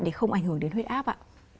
để không ảnh hưởng đến huyết áp ạ